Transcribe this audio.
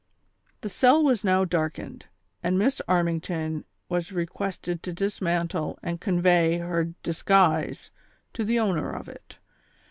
The cell was now darkened, and Miss Armington was requested to dismantle and convey her disguise to the owner of it.